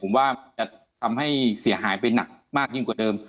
ผมว่าจะทำให้เสียหายไปหนักมากยิ่งกว่าเดิม